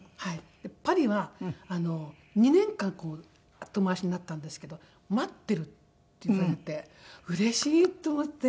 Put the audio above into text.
パリは２年間後回しになったんですけど「待ってる」って言われてうれしい！と思って。